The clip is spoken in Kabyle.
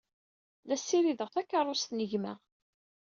La ssirideɣ takeṛṛust n gma.